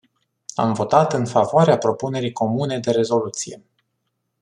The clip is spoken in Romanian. Am votat în favoarea propunerii comune de rezoluție.